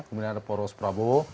kemudian ada poros prabowo